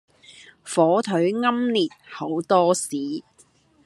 火腿奄列厚多士